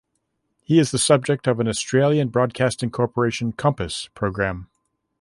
He is the subject of an Australian Broadcasting Corporation Compass program.